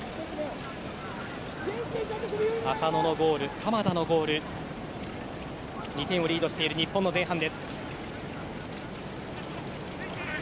浅野のゴール、鎌田のゴールで２点をリードしている日本の前半。